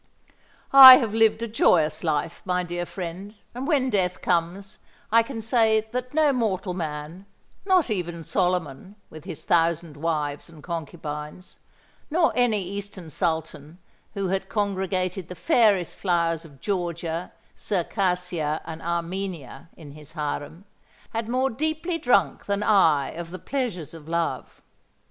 "I have lived a joyous life, my dear friend; and when death comes, I can say that no mortal man—not even Solomon, with his thousand wives and concubines—nor any eastern Sultan, who had congregated the fairest flowers of Georgia, Circassia, and Armenia in his harem,—had more deeply drunk than I of the pleasures of love."